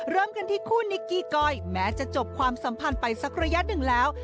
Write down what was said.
เริ่มกันที่คู่นิกกี้ก้อยแม้จะจบความสัมพันธ์ไปสักระยะหนึ่งแล้ว